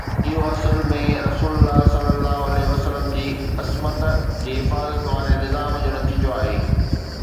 اهو اصل ۾ رسول الله ﷺ جي عصمت جي حفاظت واري نظام جو نتيجو آهي